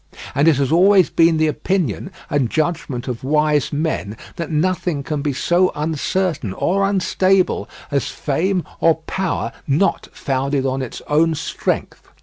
And it has always been the opinion and judgment of wise men that nothing can be so uncertain or unstable as fame or power not founded on its own strength.